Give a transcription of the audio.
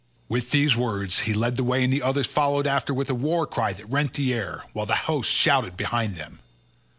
With these words he led the way and the others followed after with a cry that rent the air, while the host shouted behind them.